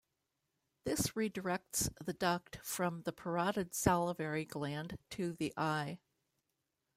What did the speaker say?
This redirects the duct from the parotid salivary gland to the eye.